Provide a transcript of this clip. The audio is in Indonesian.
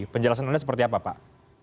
penjelasan anda seperti apa pak